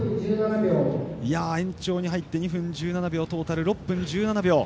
延長に入って２分１７秒トータル６分１７秒。